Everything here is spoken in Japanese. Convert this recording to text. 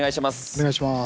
お願いします。